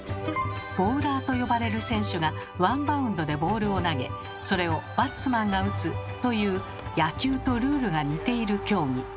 「ボーラー」と呼ばれる選手がワンバウンドでボールを投げそれを「バッツマン」が打つという野球とルールが似ている競技。